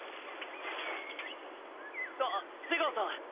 あっ瀬川さん！